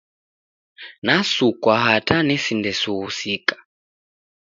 Nasukwa hata nesinda sughusika.